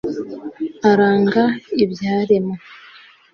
aranga ibyaremwe